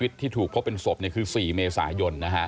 ที่ถูกพบเป็นศพคือ๔เมษายน